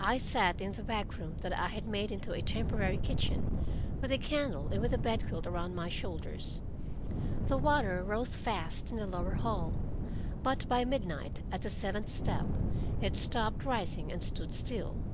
I sat in the back room that I had made into a temporary kitchen, with a candle, and with a bedquilt around my shoulders. The water rose fast in the lower hall, but by midnight, at the seventh step, it stopped rising and stood still.